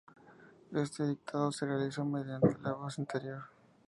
Este dictado se realizó mediante la voz interior.